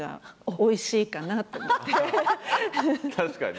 確かに。